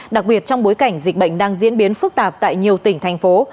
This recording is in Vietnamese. đặc biệt trong bối cảnh dịch bệnh đang diễn biến phức tạp tại nhiều tỉnh thành phố